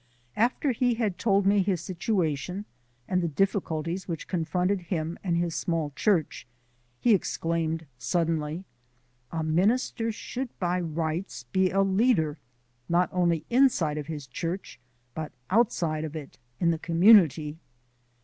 After he had told me his situation and the difficulties which confronted him and his small church, he exclaimed suddenly: "A minister should by rights be a leader, not only inside of his church, but outside it in the community."